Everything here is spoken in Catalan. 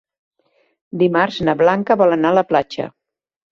Dimarts na Blanca vol anar a la platja.